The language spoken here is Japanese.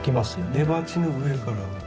根鉢の上から。